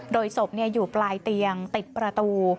โดยศพอยู่ปลายเตียงติดประตู